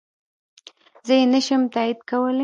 زه يي نشم تاييد کولی